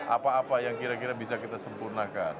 apa apa yang kira kira bisa kita sempurnakan